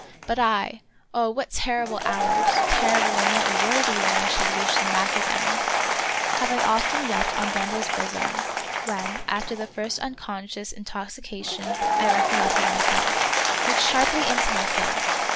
But I — oh, what terrible hours — terrible and yet worthy that I should wish them back again — have I often wept on Bendel's bosom, when, after the first unconscious intoxication, I recol lected myself ; looked sharply into myself